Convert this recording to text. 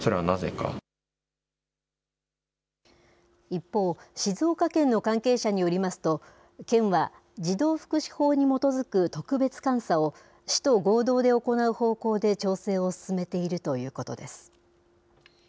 一方、静岡県の関係者によりますと、県は児童福祉法に基づく特別監査を、市と合同で行う方向で調整を進めているということです。